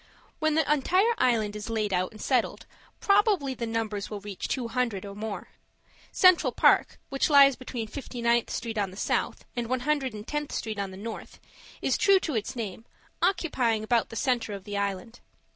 When the entire island is laid out and settled, probably the numbers will reach two hundred or more. Central Park, which lies between Fifty ninth Street on the south, and One Hundred and Tenth Street on the north, is true to its name, occupying about the centre of the island.